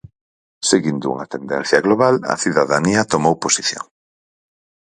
Seguindo unha tendencia global, a cidadanía tomou posición.